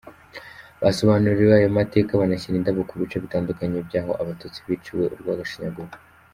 Basobanuriwe ayo mateka, banashyira indabo ku bice bitandukanye by’aho Abatutsi biciwe urw’agashinyaguro.